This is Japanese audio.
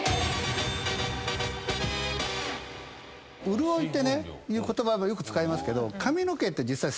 潤いっていう言葉よく使いますけど。